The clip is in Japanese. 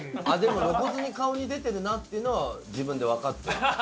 でも露骨に顔に出てるなっていうのは自分で分かってる。